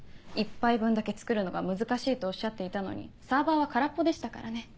１杯分だけ作るのが難しいとおっしゃっていたのにサーバーは空っぽでしたからね。